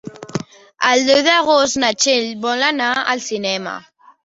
El deu d'agost na Txell vol anar al cinema.